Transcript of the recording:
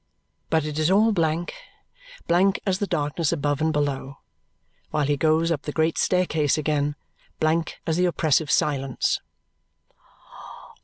But it is all blank, blank as the darkness above and below, while he goes up the great staircase again, blank as the oppressive silence.